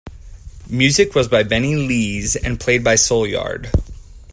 Music was by Benni Lees, and played by Soulyard.